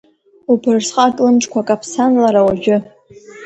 Убырсҟаҟ лымчқәа каԥсан лара уажәы.